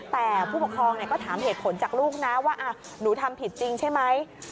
แต่ผู้ปกครองก็ถามเหตุผลจากลูกนะว่าหนูทำผิดจริงใช่ไหม